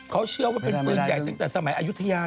เขาเชื่อว่าเป็นปืนใหญ่ตั้งแต่สมัยอายุทยา